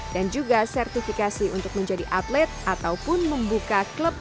dan juga sertifikasi untuk menjadi atlet ataupun membuka klub berikutnya